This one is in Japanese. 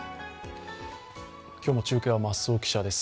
今日も中継は増尾記者です